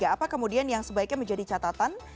apa kemudian yang sebaiknya menjadi catatan